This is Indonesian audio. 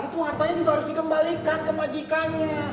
itu hartanya juga harus dikembalikan ke majikannya